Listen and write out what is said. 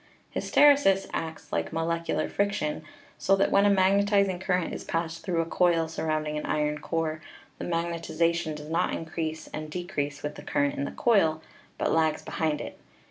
Hys teresis acts like molecular friction, so that when a mag netizing current is passed through a coil surrounding an iron core, the magnetization does not increase and de crease with the current in the coil, but lags behind it.